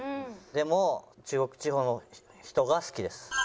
でも中国地方の人が好きです。